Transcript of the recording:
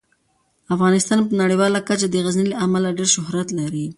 افغانستان په نړیواله کچه د غزني له امله ډیر شهرت لري.